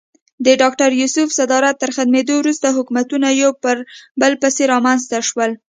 د ډاکټر یوسف صدارت تر ختمېدو وروسته حکومتونه یو پر بل پسې رامنځته شول.